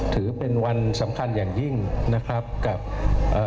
ถือเป็นวันสำคัญอย่างยิ่งนะครับกับเอ่อ